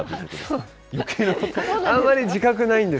あんまり自覚ないんです。